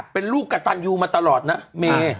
เป็นลูกกระตันยูมาตลอดนะเม